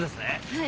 はい。